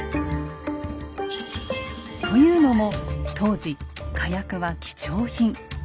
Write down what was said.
というのも当時火薬は貴重品。